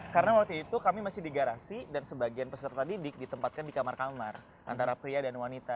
karena waktu itu kami masih di garasi dan sebagian peserta didik ditempatkan di kamar kamar antara pria dan wanita